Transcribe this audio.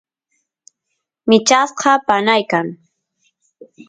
michasqa panay kan